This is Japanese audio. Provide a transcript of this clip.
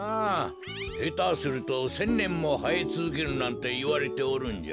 へたすると１，０００ねんもはえつづけるなんていわれておるんじゃ。